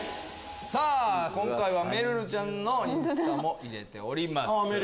今回はめるるちゃんのインスタも入れております。